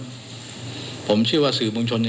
แต่เจ้าตัวก็ไม่ได้รับในส่วนนั้นหรอกนะครับ